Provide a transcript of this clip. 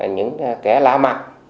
những kẻ lạ mặt